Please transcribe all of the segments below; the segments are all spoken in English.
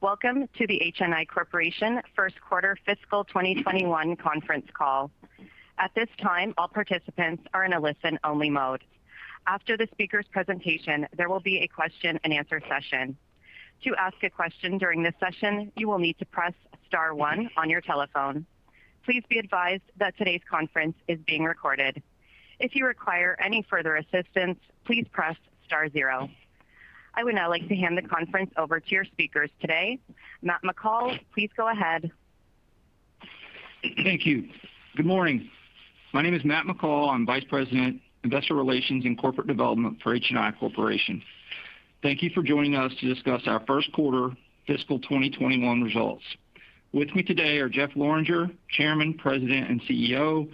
Welcome to the HNI Corporation First Quarter Fiscal 2021 conference call. At this time all participants are in a listen-only mode. After the speaker presentation there will be a question and answer session. To ask a question during the session you will need to press star one on your telephone. Please be advice that today conference is being recorded. If you require any further assistance please press star zero. I would now like to hand the conference over to your speakers today. Matt McCall, please go ahead. Thank you. Good morning. My name is Matt McCall. I'm Vice President, Investor Relations and Corporate Development for HNI Corporation. Thank you for joining us to discuss our first quarter fiscal 2021 results. With me today are Jeff Lorenger, Chairman, President, and CEO,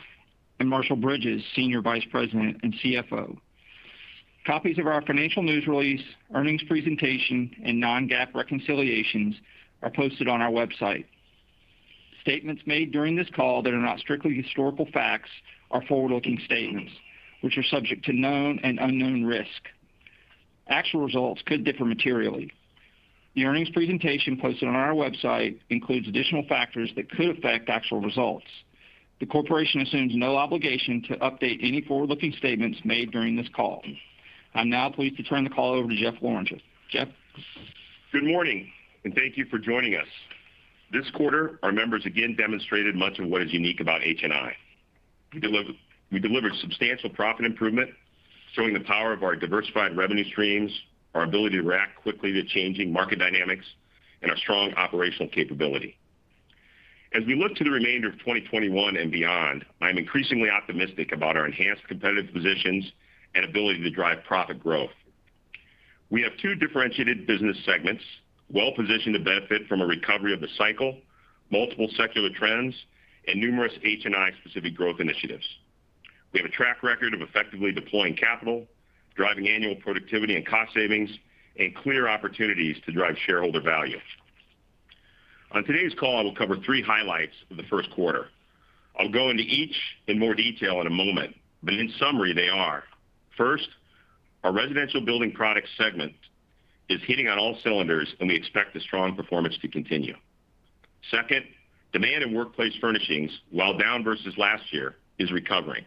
and Marshall Bridges, Senior Vice President and CFO. Copies of our financial news release, earnings presentation, and non-GAAP reconciliations are posted on our website. Statements made during this call that are not strictly historical facts are forward-looking statements, which are subject to known and unknown risk. Actual results could differ materially. The earnings presentation posted on our website includes additional factors that could affect actual results. The corporation assumes no obligation to update any forward-looking statements made during this call. I'm now pleased to turn the call over to Jeff Lorenger. Jeff? Good morning, and thank you for joining us. This quarter, our members again demonstrated much of what is unique about HNI. We delivered substantial profit improvement showing the power of our diversified revenue streams, our ability to react quickly to changing market dynamics, and our strong operational capability. As we look to the remainder of 2021 and beyond, I'm increasingly optimistic about our enhanced competitive positions and ability to drive profit growth. We have two differentiated business segments, well-positioned to benefit from a recovery of the cycle, multiple secular trends, and numerous HNI-specific growth initiatives. We have a track record of effectively deploying capital, driving annual productivity and cost savings, and clear opportunities to drive shareholder value. On today's call, I will cover three highlights of the first quarter. I'll go into each in more detail in a moment, but in summary, they are, first, our Residential Building Product segment is hitting on all cylinders, and we expect the strong performance to continue. Second, demand in Workplace Furnishings, while down versus last year, is recovering.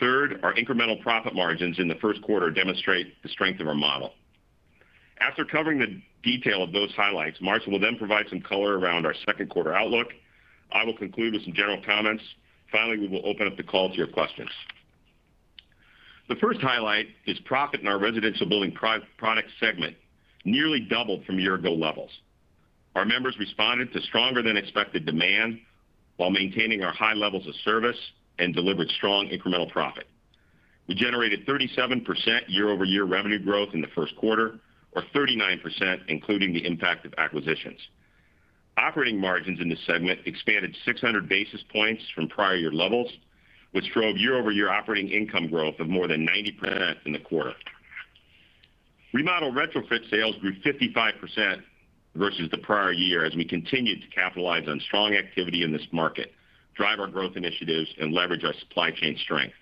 Third, our incremental profit margins in the first quarter demonstrate the strength of our model. After covering the detail of those highlights, Marshall will then provide some color around our second quarter outlook. I will conclude with some general comments. Finally, we will open up the call to your questions. The first highlight is profit in our Residential Building Product segment, nearly doubled from year-ago levels. Our members responded to stronger than expected demand while maintaining our high levels of service and delivered strong incremental profit. We generated 37% year-over-year revenue growth in the first quarter, or 39% including the impact of acquisitions. Operating margins in this segment expanded 600 basis points from prior year levels, which drove year-over-year operating income growth of more than 90% in the quarter. Remodel retrofit sales grew 55% versus the prior year as we continued to capitalize on strong activity in this market, drive our growth initiatives, and leverage our supply chain strength.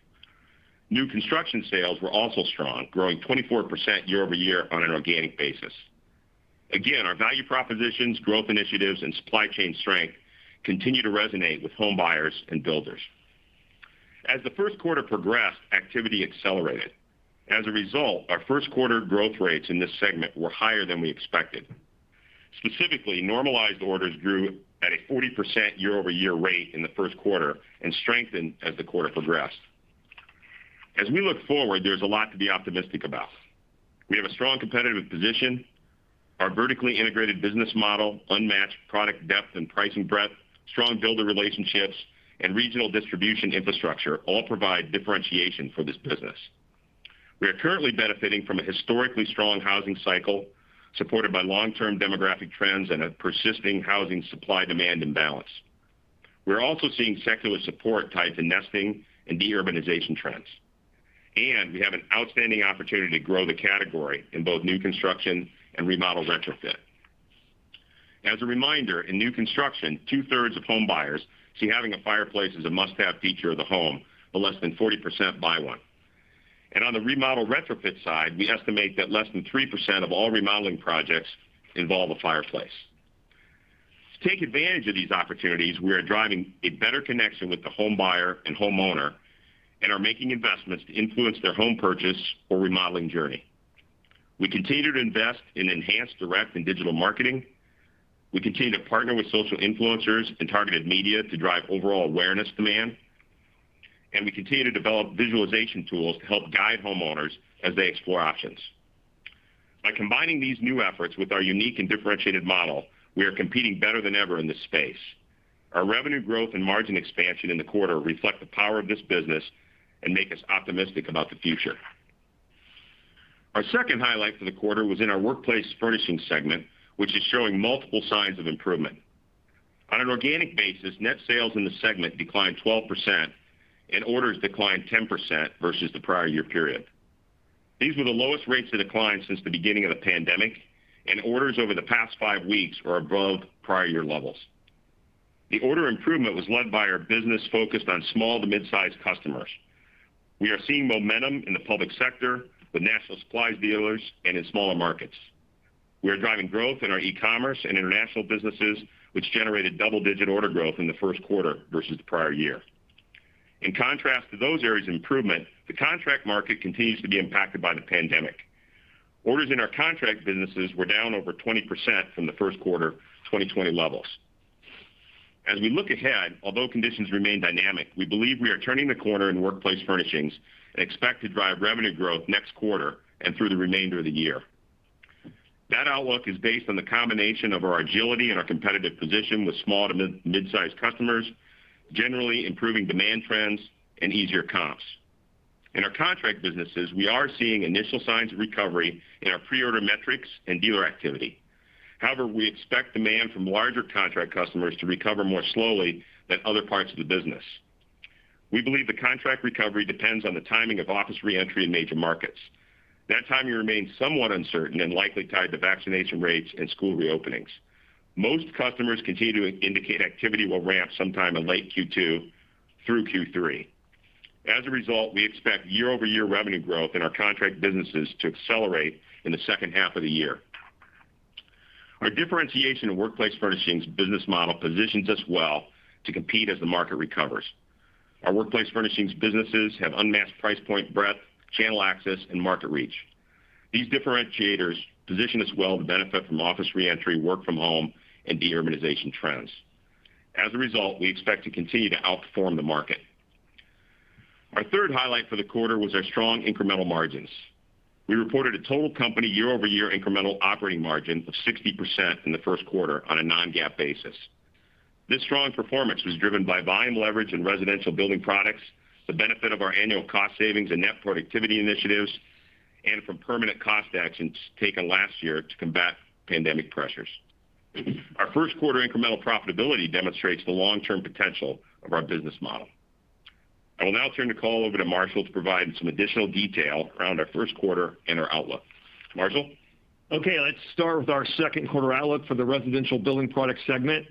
New construction sales were also strong, growing 24% year-over-year on an organic basis. Again, our value propositions, growth initiatives, and supply chain strength continue to resonate with home buyers and builders. As the first quarter progressed, activity accelerated. As a result, our first quarter growth rates in this segment were higher than we expected. Specifically, normalized orders grew at a 40% year-over-year rate in the first quarter and strengthened as the quarter progressed. As we look forward, there's a lot to be optimistic about. We have a strong competitive position. Our vertically integrated business model, unmatched product depth and pricing breadth, strong builder relationships, and regional distribution infrastructure all provide differentiation for this business. We are currently benefiting from a historically strong housing cycle supported by long-term demographic trends and a persisting housing supply-demand imbalance. We're also seeing secular support tied to nesting and de-urbanization trends. We have an outstanding opportunity to grow the category in both new construction and remodel retrofit. As a reminder, in new construction, 2/3 of home buyers see having a fireplace as a must-have feature of the home, but less than 40% buy one. On the remodel retrofit side, we estimate that less than 3% of all remodeling projects involve a fireplace. To take advantage of these opportunities, we are driving a better connection with the home buyer and homeowner and are making investments to influence their home purchase or remodeling journey. We continue to invest in enhanced direct and digital marketing. We continue to partner with social influencers and targeted media to drive overall awareness demand. We continue to develop visualization tools to help guide homeowners as they explore options. By combining these new efforts with our unique and differentiated model, we are competing better than ever in this space. Our revenue growth and margin expansion in the quarter reflect the power of this business and make us optimistic about the future. Our second highlight for the quarter was in our workplace furnishings segment, which is showing multiple signs of improvement. On an organic basis, net sales in the segment declined 12%, and orders declined 10% versus the prior year period. These were the lowest rates of decline since the beginning of the pandemic. Orders over the past five weeks were above prior year levels. The order improvement was led by our business focused on small to mid-size customers. We are seeing momentum in the public sector with national supplies dealers and in smaller markets. We are driving growth in our e-commerce and international businesses, which generated double-digit order growth in the first quarter versus the prior year. In contrast to those areas of improvement, the contract market continues to be impacted by the pandemic. Orders in our contract businesses were down over 20% from the first quarter 2020 levels. As we look ahead, although conditions remain dynamic, we believe we are turning the corner in workplace furnishings and expect to drive revenue growth next quarter and through the remainder of the year. That outlook is based on the combination of our agility and our competitive position with small to mid-size customers, generally improving demand trends, and easier comps. In our contract businesses, we are seeing initial signs of recovery in our pre-order metrics and dealer activity. However, we expect demand from larger contract customers to recover more slowly than other parts of the business. We believe the contract recovery depends on the timing of office re-entry in major markets. That timing remains somewhat uncertain and likely tied to vaccination rates and school reopenings. Most customers continue to indicate activity will ramp sometime in late Q2 through Q3. As a result, we expect year-over-year revenue growth in our contract businesses to accelerate in the second half of the year. Our differentiation in Workplace Furnishings business model positions us well to compete as the market recovers. Our Workplace Furnishings businesses have unmatched price point breadth, channel access, and market reach. These differentiators position us well to benefit from office re-entry, work-from-home, and de-urbanization trends. As a result, we expect to continue to outperform the market. Our third highlight for the quarter was our strong incremental margins. We reported a total company year-over-year incremental operating margin of 60% in the first quarter on a non-GAAP basis. This strong performance was driven by volume leverage in residential building products, the benefit of our annual cost savings and net productivity initiatives, and from permanent cost actions taken last year to combat pandemic pressures. Our first quarter incremental profitability demonstrates the long-term potential of our business model. I will now turn the call over to Marshall to provide some additional detail around our first quarter and our outlook. Marshall? Let's start with our second quarter outlook for the Residential Building Products segment.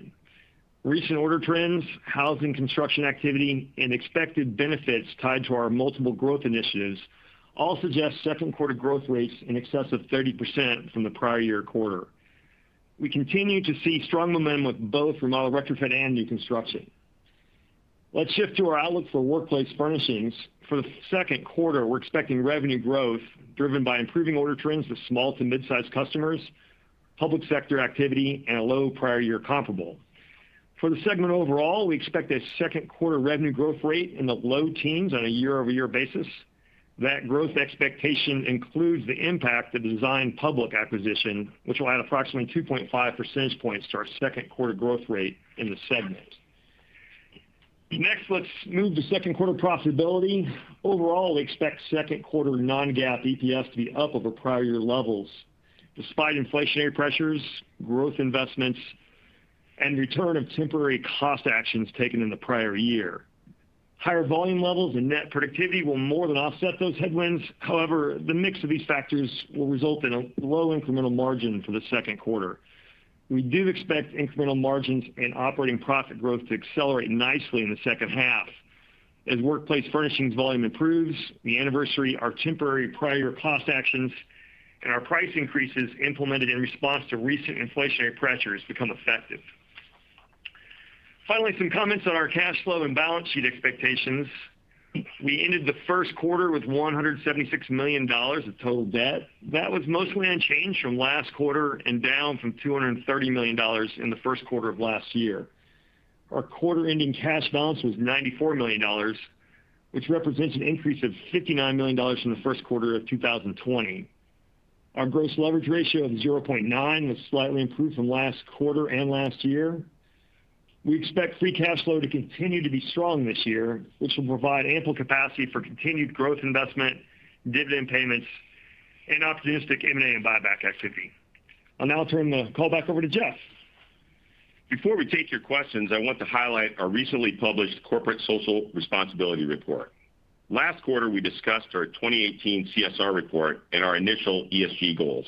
Recent order trends, housing construction activity, and expected benefits tied to our multiple growth initiatives all suggest second quarter growth rates in excess of 30% from the prior year quarter. We continue to see strong momentum with both remodel/retrofit and new construction. Let's shift to our outlook for Workplace Furnishings. For the second quarter, we're expecting revenue growth driven by improving order trends with small to mid-size customers, public sector activity, and a low prior year comparable. For the segment overall, we expect a second quarter revenue growth rate in the low teens on a year-over-year basis. That growth expectation includes the impact of the Design Public acquisition, which will add approximately 2.5 percentage points to our second quarter growth rate in the segment. Let's move to second quarter profitability. Overall, we expect second quarter non-GAAP EPS to be up over prior year levels, despite inflationary pressures, growth investments, and return of temporary cost actions taken in the prior year. Higher volume levels and net productivity will more than offset those headwinds. However, the mix of these factors will result in a low incremental margin for the second quarter. We do expect incremental margins and operating profit growth to accelerate nicely in the second half as Workplace Furnishings volume improves, we anniversary our temporary prior cost actions, and our price increases implemented in response to recent inflationary pressures become effective. Finally, some comments on our cash flow and balance sheet expectations. We ended the first quarter with $176 million of total debt. That was mostly unchanged from last quarter and down from $230 million in the first quarter of last year. Our quarter-ending cash balance was $94 million, which represents an increase of $59 million from the first quarter of 2020. Our gross leverage ratio of 0.9 was slightly improved from last quarter and last year. We expect free cash flow to continue to be strong this year, which will provide ample capacity for continued growth investment, dividend payments, and opportunistic M&A and buyback activity. I'll now turn the call back over to Jeff. Before we take your questions, I want to highlight our recently published corporate social responsibility report. Last quarter, we discussed our 2018 CSR report and our initial ESG goals.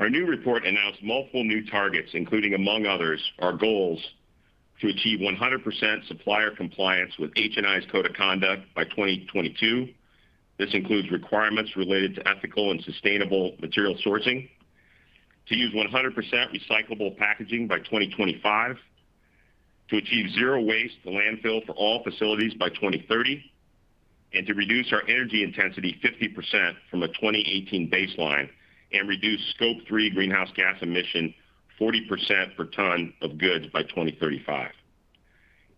Our new report announced multiple new targets, including, among others, our goals to achieve 100% supplier compliance with HNI's Code of Conduct by 2022. This includes requirements related to ethical and sustainable material sourcing, to use 100% recyclable packaging by 2025, to achieve zero waste to landfill for all facilities by 2030, and to reduce our energy intensity 50% from a 2018 baseline and reduce Scope 3 greenhouse gas emission 40% per ton of goods by 2035.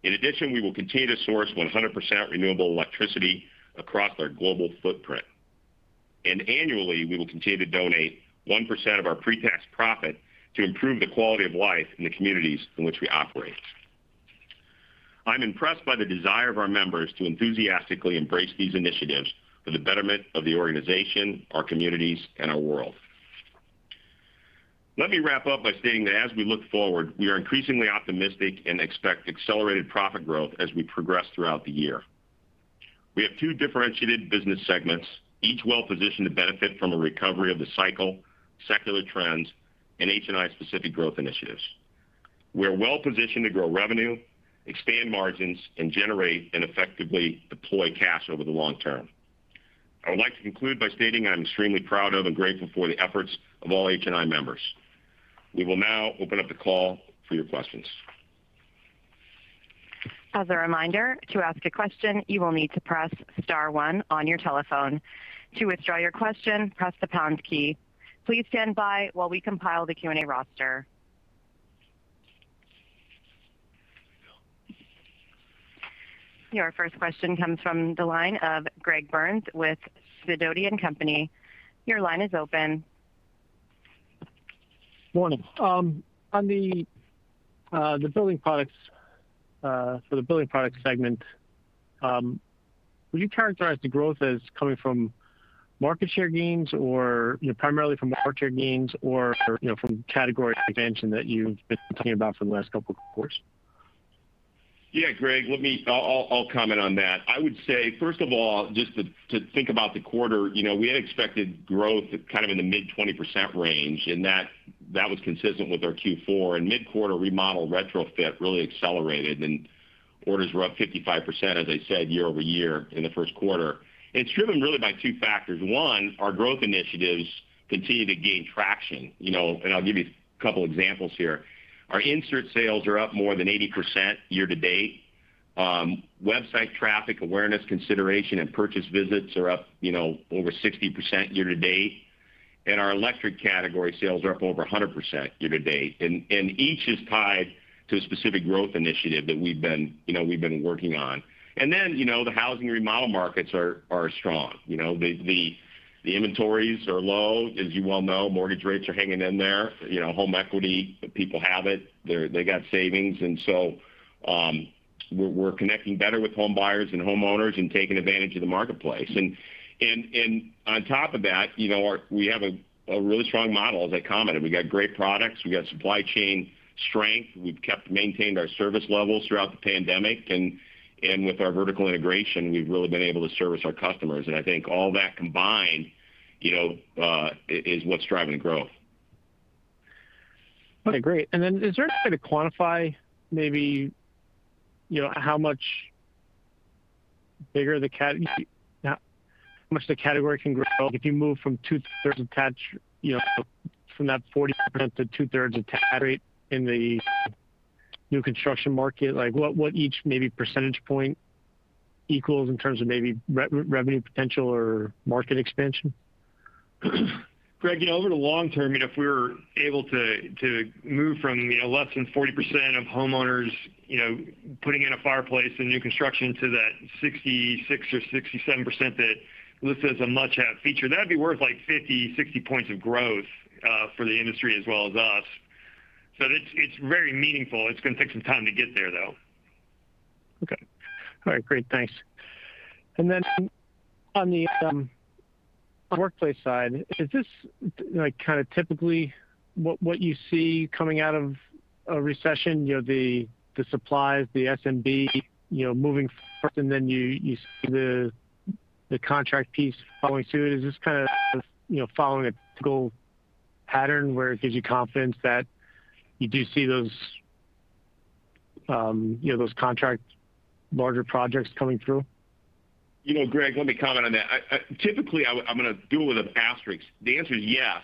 In addition, we will continue to source 100% renewable electricity across our global footprint. Annually, we will continue to donate 1% of our pre-tax profit to improve the quality of life in the communities in which we operate. I'm impressed by the desire of our members to enthusiastically embrace these initiatives for the betterment of the organization, our communities, and our world. Let me wrap up by stating that as we look forward, we are increasingly optimistic and expect accelerated profit growth as we progress throughout the year. We have two differentiated business segments, each well-positioned to benefit from a recovery of the cycle, secular trends, and HNI specific growth initiatives. We are well-positioned to grow revenue, expand margins, and generate and effectively deploy cash over the long term. I would like to conclude by stating I'm extremely proud of and grateful for the efforts of all HNI members. We will now open up the call for your questions. As a reminder, to ask a question, you will need to press star one on your telephone. To withdraw your question, press the pound key. Please stand by while we compile the Q&A roster. Your first question comes from the line of Greg Burns with Sidoti & Company. Your line is open. Morning. On the Building Products segment, would you characterize the growth as coming primarily from market share gains, or from category expansion that you've been talking about for the last couple of quarters? Yeah, Greg. I'll comment on that. I would say, first of all, just to think about the quarter, we had expected growth kind of in the mid 20% range, that was consistent with our Q4. Mid-quarter remodel retrofit really accelerated, and orders were up 55%, as I said, year-over-year in the first quarter. It's driven really by two factors. One, our growth initiatives continue to gain traction. I'll give you a couple examples here. Our insert sales are up more than 80% year-to-date. Website traffic awareness consideration and purchase visits are up over 60% year-to-date. Our electric category sales are up over 100% year-to-date. Each is tied to a specific growth initiative that we've been working on. Then, the housing remodel markets are strong. The inventories are low, as you well know. Mortgage rates are hanging in there. Home equity, the people have it. They got savings. We're connecting better with home buyers and homeowners and taking advantage of the marketplace. On top of that, we have a really strong model, as I commented. We got great products. We got supply chain strength. We've maintained our service levels throughout the pandemic. With our vertical integration, we've really been able to service our customers. I think all that combined is what's driving the growth. Is there any way to quantify maybe how much the category can grow if you move from that 40% to 2/3 attach rate in the new construction market? Like what each maybe percentage point equals in terms of maybe revenue potential or market expansion? Greg, over the long term, if we're able to move from less than 40% of homeowners putting in a fireplace in new construction to that 66% or 67% that lists as a must-have feature, that'd be worth like 50, 60 points of growth for the industry as well as us. It's very meaningful. It's going to take some time to get there, though. Okay. All right. Great. Thanks. On the workplace side, is this kind of typically what you see coming out of a recession? The supplies, the SMB moving first and then you see the contract piece following suit? Is this kind of following a typical pattern where it gives you confidence that you do see those contract larger projects coming through? Greg, let me comment on that. I'm going to do it with an asterisk. The answer is yes,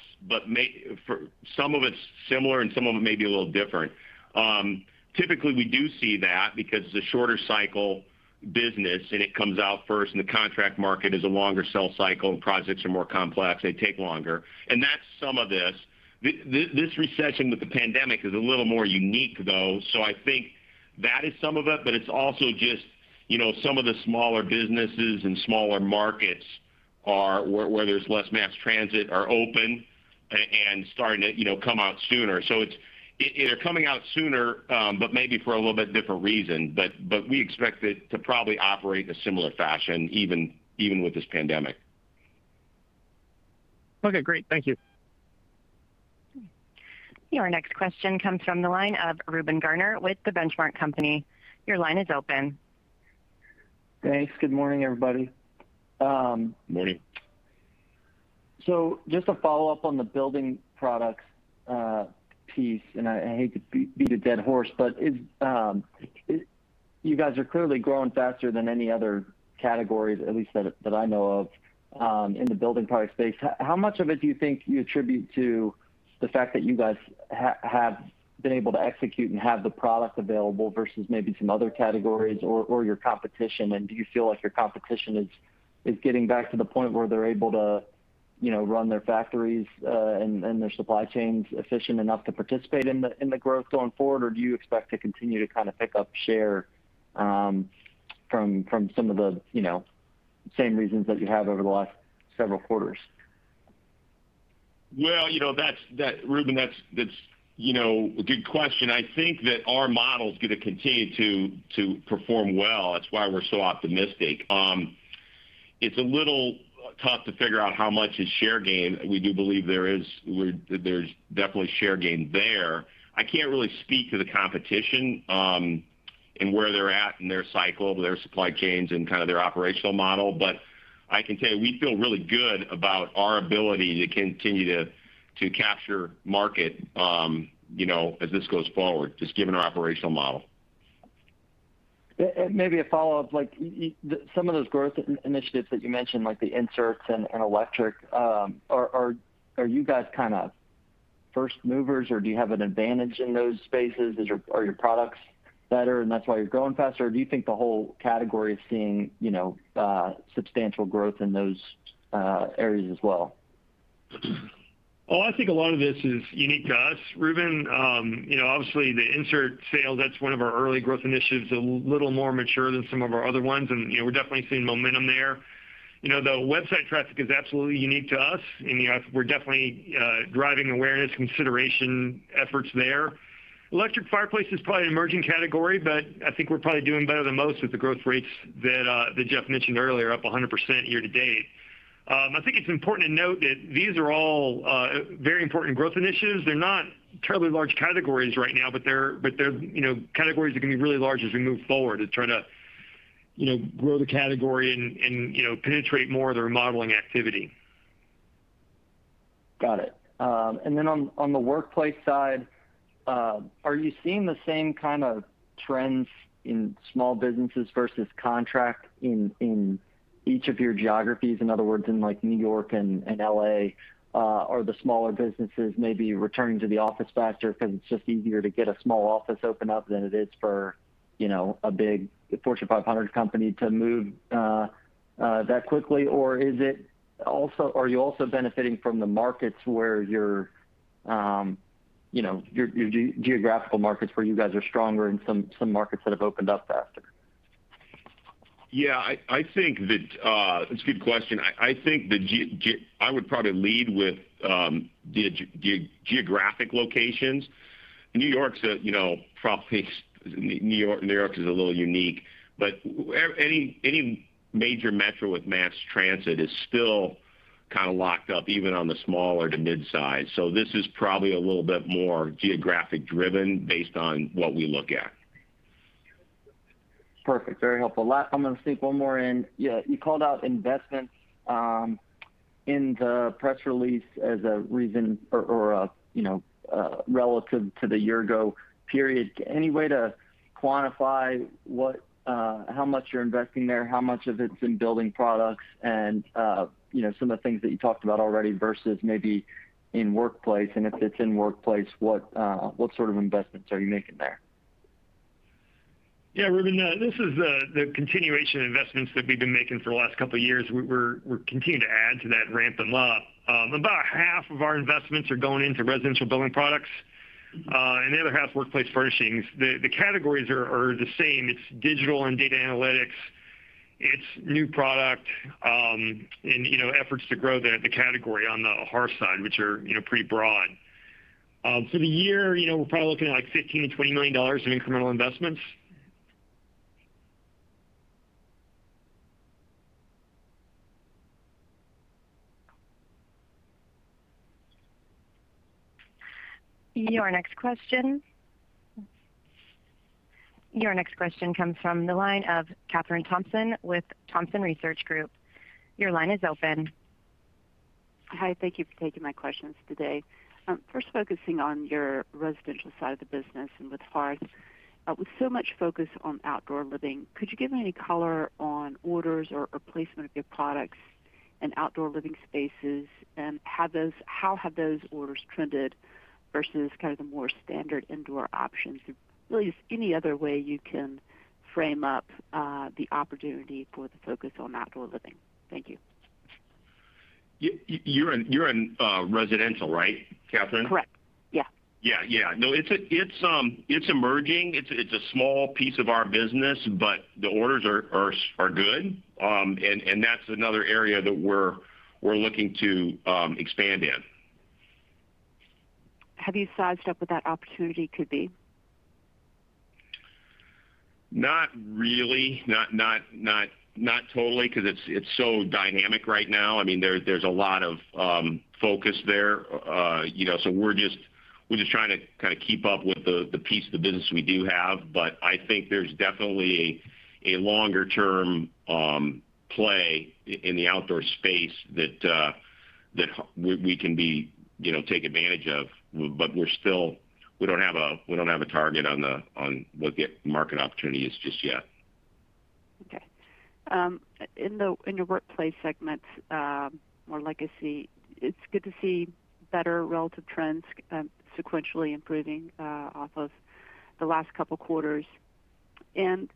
some of it's similar and some of it may be a little different. We do see that because it's a shorter cycle business and it comes out first, the contract market is a longer sell cycle and projects are more complex, they take longer. That's some of this. This recession with the pandemic is a little more unique though. I think that is some of it, but it's also just some of the smaller businesses and smaller markets where there's less mass transit are open and starting to come out sooner. They're coming out sooner, but maybe for a little bit different reason. We expect it to probably operate in a similar fashion, even with this pandemic. Okay, great. Thank you. Your next question comes from the line of Reuben Garner with The Benchmark Company. Your line is open. Thanks. Good morning, everybody. Morning. Just a follow-up on the building products piece, and I hate to beat a dead horse, but you guys are clearly growing faster than any other categories, at least that I know of, in the building product space. How much of it do you think you attribute to the fact that you guys have been able to execute and have the product available versus maybe some other categories or your competition? Do you feel like your competition is getting back to the point where they're able to run their factories and their supply chains efficient enough to participate in the growth going forward? Or do you expect to continue to kind of pick up share from some of the same reasons that you have over the last several quarters? Well, Reuben, that's a good question. I think that our model's going to continue to perform well. That's why we're so optimistic. It's a little tough to figure out how much is share gain. We do believe there's definitely share gain there. I can't really speak to the competition, and where they're at in their cycle of their supply chains and their operational model. I can tell you, we feel really good about our ability to continue to capture market as this goes forward, just given our operational model. Maybe a follow-up. Some of those growth initiatives that you mentioned, like the inserts and electric, are you guys first movers, or do you have an advantage in those spaces? Are your products better and that's why you're growing faster? Or do you think the whole category is seeing substantial growth in those areas as well? I think a lot of this is unique to us. Reuben, obviously, the insert sale, that's one of our early growth initiatives, a little more mature than some of our other ones, and we're definitely seeing momentum there. The website traffic is absolutely unique to us, and we're definitely driving awareness consideration efforts there. Electric fireplace is probably an emerging category, but I think we're probably doing better than most with the growth rates that Jeff mentioned earlier, up 100% year to date. I think it's important to note that these are all very important growth initiatives. They're not terribly large categories right now, but they're categories that can be really large as we move forward to try to grow the category and penetrate more of the remodeling activity. Got it. Then on the workplace side, are you seeing the same kind of trends in small businesses versus contract in each of your geographies? In other words, in New York and L.A., are the smaller businesses maybe returning to the office faster because it's just easier to get a small office open up than it is for a big Fortune 500 company to move that quickly? Are you also benefiting from your geographical markets where you guys are stronger and some markets that have opened up faster? Yeah, it's a good question. I would probably lead with the geographic locations. New York is a little unique, but any major metro with mass transit is still kind of locked up, even on the small or the mid-size. This is probably a little bit more geographic-driven based on what we look at. Perfect. Very helpful. Last, I'm going to sneak one more in. You called out investments in the press release as a reason relative to the year-ago period. Any way to quantify how much you're investing there, how much of it's in Building Products and some of the things that you talked about already versus maybe in Workplace? If it's in Workplace, what sort of investments are you making there? Yeah, Reuben, this is the continuation of investments that we've been making for the last couple of years. We're continuing to add to that ramp and lot. About half of our investments are going into residential building products, and the other half workplace furnishings. The categories are the same. It's digital and data analytics, it's new product, and efforts to grow the category on the Hearth side, which are pretty broad. For the year, we're probably looking at $15 million-$20 million in incremental investments. Your next question comes from the line of Kathryn Thompson with Thompson Research Group. Your line is open. Hi, thank you for taking my questions today. Focusing on your residential side of the business and with Hearth. With so much focus on outdoor living, could you give any color on orders or placement of your products and outdoor living spaces, and how have those orders trended versus the more standard indoor options? Really, just any other way you can frame up the opportunity for the focus on outdoor living? Thank you. You're in residential, right, Kathryn? Correct. Yeah. Yeah. No, it's emerging. It's a small piece of our business, but the orders are good, and that's another area that we're looking to expand in. Have you sized up what that opportunity could be? Not really. Not totally, because it's so dynamic right now. There's a lot of focus there. We're just trying to keep up with the piece of the business we do have, but I think there's definitely a longer-term play in the outdoor space that we can take advantage of. We don't have a target on what the market opportunity is just yet. Okay. In your workplace segments, more legacy, it's good to see better relative trends sequentially improving off of the last couple of quarters. I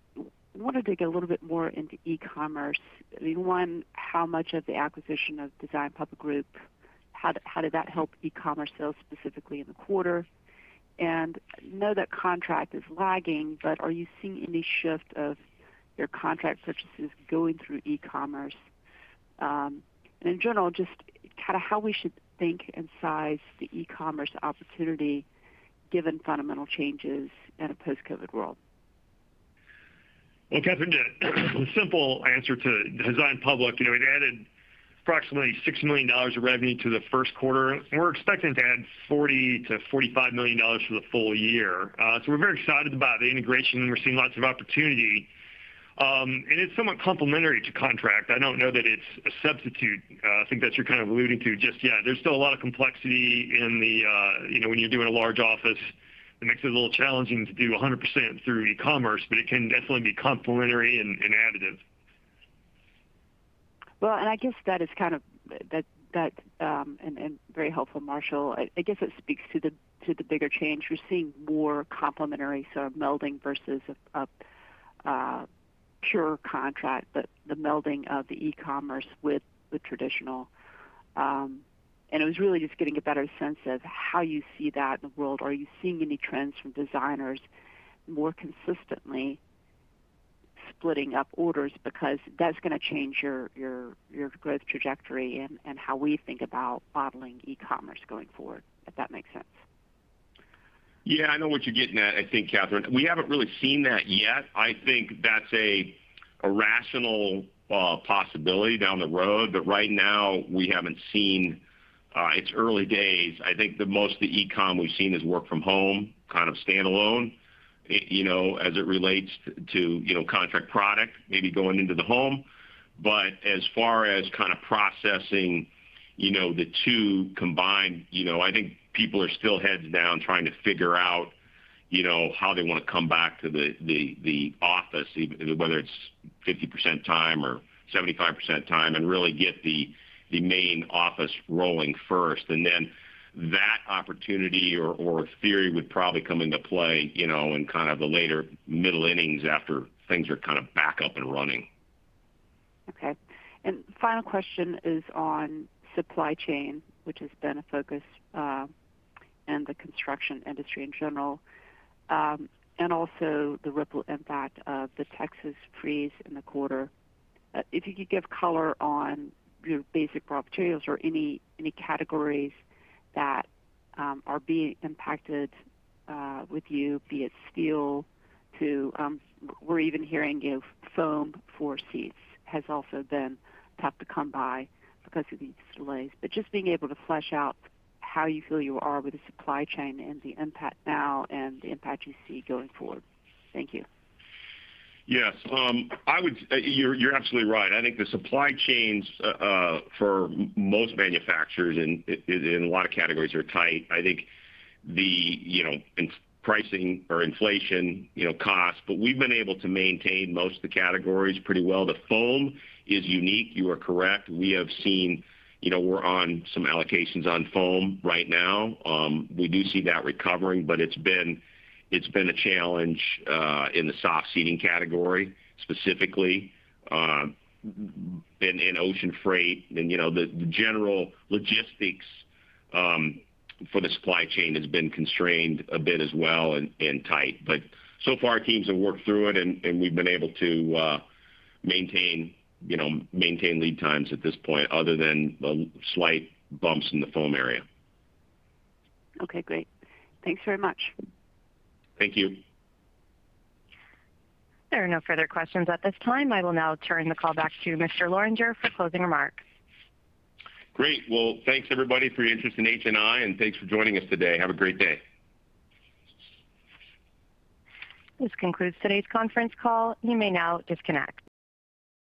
wanted to get a little bit more into e-commerce. One, how much of the acquisition of Design Public Group, how did that help e-commerce sales specifically in the quarter? I know that contract is lagging, but are you seeing any shift of your contract purchases going through e-commerce? In general, just kind of how we should think and size the e-commerce opportunity given fundamental changes in a post-COVID world? Well, Kathryn, the simple answer to Design Public, it added approximately $6 million of revenue to the first quarter. We're expecting to add $40 million-$45 million for the full year. We're very excited about the integration, and we're seeing lots of opportunity. It's somewhat complementary to contract. I don't know that it's a substitute. I think that's what you're kind of alluding to, just yet. There's still a lot of complexity when you're doing a large office, it makes it a little challenging to do 100% through e-commerce, but it can definitely be complementary and additive. Well, I guess that, and very helpful, Marshall. I guess it speaks to the bigger change. We're seeing more complementary sort of melding versus a pure contract, but the melding of the e-commerce with the traditional. It was really just getting a better sense of how you see that in the world. Are you seeing any trends from designers more consistently splitting up orders? Because that's going to change your growth trajectory and how we think about modeling e-commerce going forward. If that makes sense. Yeah, I know what you're getting at, I think, Kathryn. We haven't really seen that yet. I think that's a rational possibility down the road. Right now we haven't seen. It's early days. I think the most of the e-com we've seen is work from home, kind of standalone, as it relates to contract product maybe going into the home. As far as kind of processing the two combined, I think people are still heads down trying to figure out how they want to come back to the office, whether it's 50% time or 75% time, and really get the main office rolling first. That opportunity or theory would probably come into play in kind of the later middle innings after things are kind of back up and running. Okay. Final question is on supply chain, which has been a focus, and the construction industry in general, and also the ripple impact of the Texas freeze in the quarter. If you could give color on your basic raw materials or any categories that are being impacted with you, be it steel to, we're even hearing of foam for seats has also been tough to come by because of these delays. Just being able to flesh out how you feel you are with the supply chain and the impact now and the impact you see going forward? Thank you. Yes. You're absolutely right. I think the supply chains for most manufacturers in a lot of categories are tight. I think the pricing or inflation costs, but we've been able to maintain most of the categories pretty well. The foam is unique. You are correct. We're on some allocations on foam right now. We do see that recovering, but it's been a challenge in the soft seating category, specifically in ocean freight. The general logistics for the supply chain has been constrained a bit as well and tight. So far our teams have worked through it and we've been able to maintain lead times at this point other than the slight bumps in the foam area. Okay, great. Thanks very much. Thank you. There are no further questions at this time. I will now turn the call back to Mr. Lorenger for closing remarks. Great. Well, thanks everybody for your interest in HNI, and thanks for joining us today. Have a great day. This concludes today's conference call. You may now disconnect.